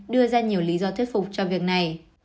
đưa ra nhiều lý do thuyết phục cho việc này